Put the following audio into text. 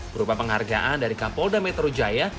berupa penghargaan dari kapolda metro jaya